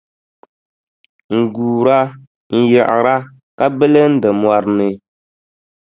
N-guura, n-yiɣira ka bilindi mɔri ni.